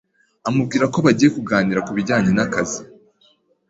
amubwira ko bagiye kuganira ku bijyanye n’akazi